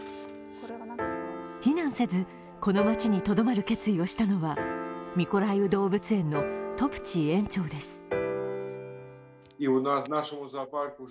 避難せず、この街にとどまる決意をしたのはミコライウ動物園のトプチー園長です。